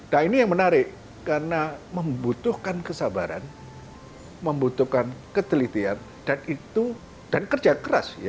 dan ini yang menarik karena membutuhkan kesabaran membutuhkan ketelitian dan kerja keras